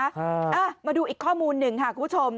เอ้อเมดูอีกข้อมูลหนึ่งคุณผู้ชม